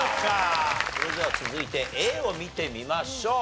それでは続いてＡを見てみましょう。